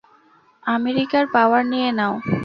আমেরিকার পাওয়ার নিয়ে না-ও।